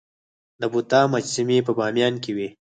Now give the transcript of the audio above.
د بودا مجسمې په بامیان کې وې